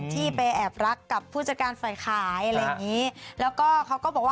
ที่ไปแอบรักกับผู้จัดการฝ่ายขายอะไรอย่างงี้แล้วก็เขาก็บอกว่า